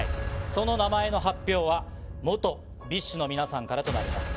その名前の発表は、元ＢｉＳＨの皆さんからとなります。